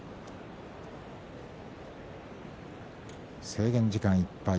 制限時間いっぱい。